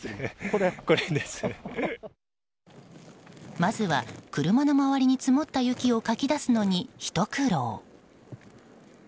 まずは車の周りに積もった雪をかき出すのに、ひと苦労。